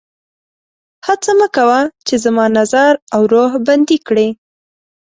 هڅه مه کوه چې زما نظر او روح بندي کړي